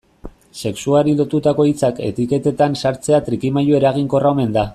Sexuari lotutako hitzak etiketetan sartzea trikimailu eraginkorra omen da.